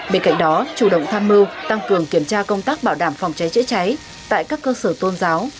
bên cạnh đó chủ động tham mưu tăng cường kiểm tra công tác bảo đảm phòng cháy chữa cháy tại các cơ sở tôn giáo